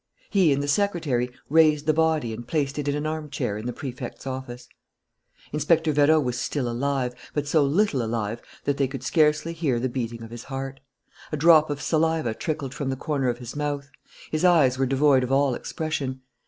He and the secretary raised the body and placed it in an armchair in the Prefect's office. Inspector Vérot was still alive, but so little alive that they could scarcely hear the beating of his heart. A drop of saliva trickled from the corner of his mouth. His eyes were devoid of all expression.